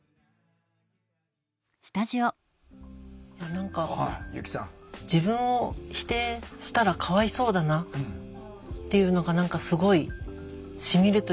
何か自分を否定したらかわいそうだなっていうのが何かすごいしみるというか。